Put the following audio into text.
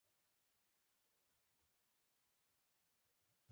پیلوټ د مسافرو خوښي غواړي.